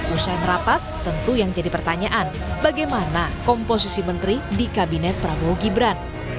usai merapat tentu yang jadi pertanyaan bagaimana komposisi menteri di kabinet prabowo gibran